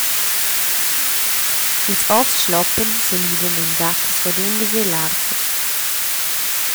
Ils ovs schloppan, semidan en gattas rodundas e larvas.